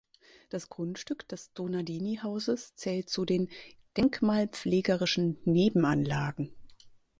Das Grundstück des Donadini-Hauses zählt zu den "denkmalpflegerischen Nebenanlagen".